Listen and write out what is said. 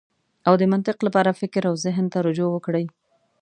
او د منطق لپاره فکر او زهن ته رجوع وکړئ.